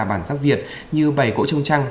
bản sắc việt như bày cổ trông trăng